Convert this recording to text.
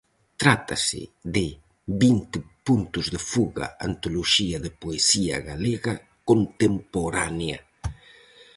Trátase de "Vinte puntos de fuga, antoloxía de poesía galega contemporánea".